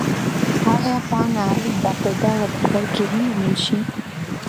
آیا پاڼه به په دغه دفتر کې ومنل شي؟